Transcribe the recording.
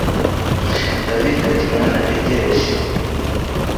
david ati mwana ntegereje